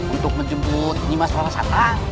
untuk menjemput nimas rasantang